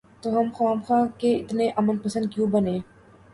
تو ہم خواہ مخواہ کے اتنے امن پسند کیوں بنیں؟